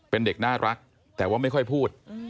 เป็นเด็กน่ารักแต่ว่าไม่ค่อยพูด